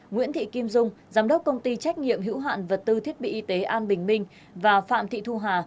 nguyễn thị kim dung giám đốc công ty trách nhiệm hữu hạn vật tư thiết bị y tế an bình minh và phạm thị thu hà